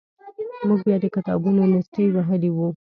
موږ بیا د کتابونو نیستۍ وهلي وو.